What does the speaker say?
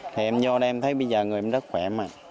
thì em vô đây em thấy bây giờ người em rất khỏe mạnh